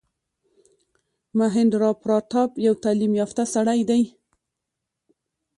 مهیندراپراتاپ یو تعلیم یافته سړی دی.